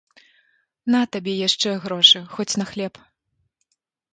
На табе яшчэ грошы, хоць на хлеб.